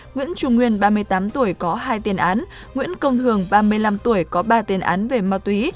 nguyễn trung nguyên ba mươi tám tuổi có hai tiền án nguyễn công hường ba mươi năm tuổi có ba tiền án về ma túy